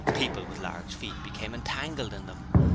People with large feet became entangled in them.